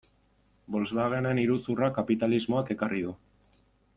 Volkswagenen iruzurra kapitalismoak ekarri du.